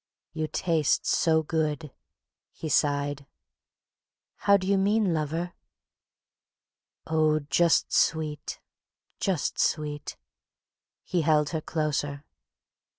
"You taste so good," he sighed. "How do you mean, lover?" "Oh, just sweet, just sweet..." he held her closer.